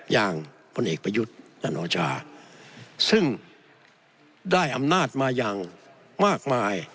พลเอกประยุทธ์จันโอชาซึ่งได้อำนาจมาอย่างมากมาย